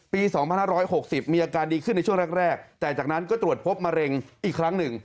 ปี๒๕๖๐มีอาการดีขึ้นในช่วงแรกแต่จากนั้นก็ตรวจพบมะเร็งอีกครั้งหนึ่ง